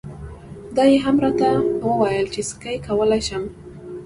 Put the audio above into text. دا یې هم راته وویل چې سکی کولای شم.